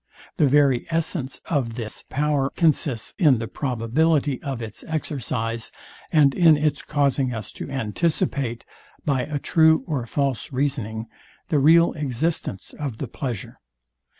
The very essence of this consists in the probability of its exercise, and in its causing us to anticipate, by a true or false reasoning, the real existence of the pleasure.